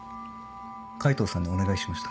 海藤さんにお願いしました。